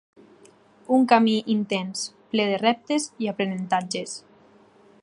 Un camí intens, ple de reptes i aprenentatges.